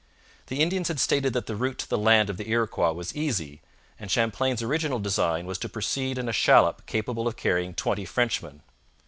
The Indians had stated that the route to the land of the Iroquois was easy, and Champlain's original design was to proceed in a shallop capable of carrying twenty Frenchmen.